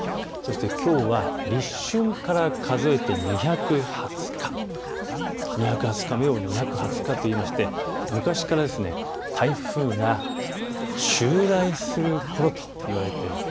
きょうは立春から数えて二百二十日、二百二十日目を二百二十日といいまして昔から台風が襲来するころといわれているんです。